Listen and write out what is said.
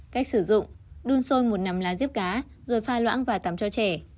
cách sử dụng đun sôi một nằm lá díp cá rồi pha loãng và tắm cho trẻ